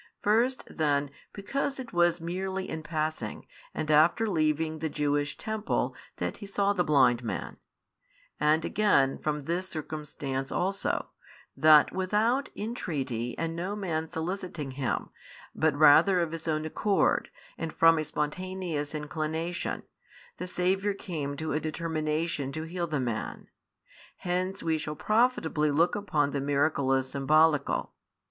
First then because it was merely in passing, and after leaving the Jewish temple, that He saw the blind man: and again from this circumstance also, that without in treaty and no man soliciting Him, but rather of His own accord and from a spontaneous inclination, the Saviour came to a determination to heal the man; hence we shall profitably look upon the miracle as symbolical.